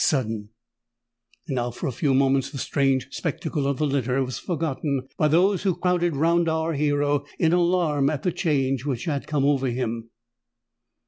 And now for a few moments the strange spectacle of the litter was forgotten by those who crowded round our hero in alarm at the change which had come over him.